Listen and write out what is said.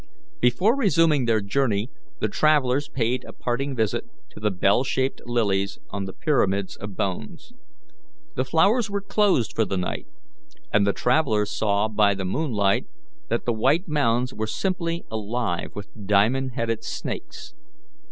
Before resuming their journey, the travellers paid a parting visit to the bell shaped lilies on their pyramids of bones. The flowers were closed for the night, and the travellers saw by the moonlight that the white mounds were simply alive with diamond headed snakes.